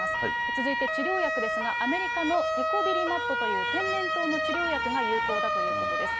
続いて治療薬ですが、アメリカのテコビリマットという天然痘の治療薬が有効だということです。